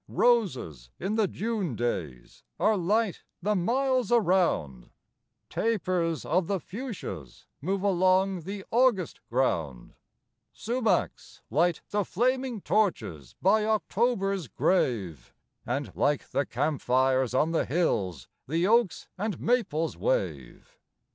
Roses in the June days are light the miles around, Tapers of the fuchsias move along the August ground, Sumachs light the flaming torches by October's grave And like the campfires on the hills the oaks and maples wave.